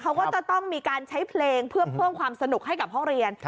เขาก็จะต้องมีการใช้เพลงเพื่อเพิ่มความสนุกให้กับห้องเรียน